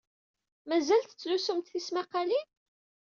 Mazal tettlusumt tismaqqalin?